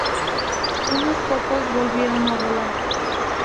Unos pocos volvieron a volar.